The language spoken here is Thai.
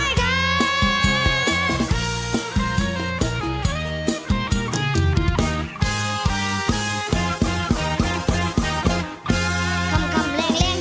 ที่พอจับกีต้าร์ปุ๊บ